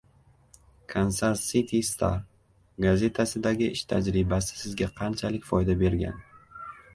“Kansas City Star” gazetasidagi ish tajribasi sizga qanchalik foyda bergan?